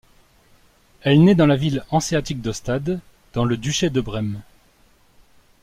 Elle naît dans la ville hanséatique de Stade, dans le duché de Brême.